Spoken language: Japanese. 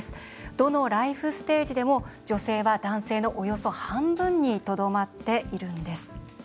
どのライフステージでも女性は、男性のおよそ半分にとどまっているんです。